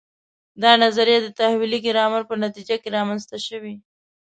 دا نظریه د تحویلي ګرامر په جریان کې رامنځته شوه.